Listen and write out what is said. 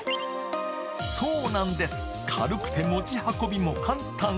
そうなんです、軽くて持ち運びも簡単。